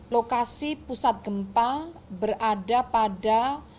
lokasi pusat gempa berada pada